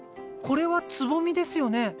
これはつぼみですよね？